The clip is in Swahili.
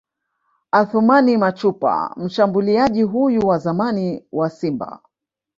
Athumani Machupa Mshambuliaji huyu wa zamani wa Simba